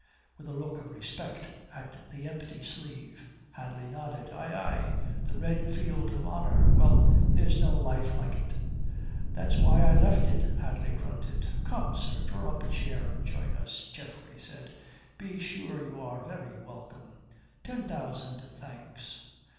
with a look of respect at the empty sleeve. Hadley nodded. "Ay, ay. The red field of honour. Well, there's no life like it." "That's why I left it," Hadley grunted. "Come, sir, draw up a chair and join us," Geoffrey said. "Be sure you are very welcome." "Ten thousand thanks."